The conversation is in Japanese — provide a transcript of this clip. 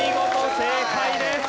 正解です。